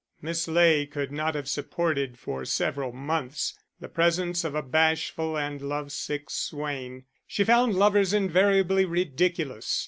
Miss Ley could not have supported for several months the presence of a bashful and love sick swain. She found lovers invariably ridiculous.